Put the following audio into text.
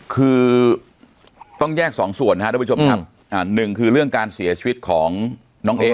คือต้องแยกสองส่วนนะครับทุกผู้ชมครับหนึ่งคือเรื่องการเสียชีวิตของน้องเอ๊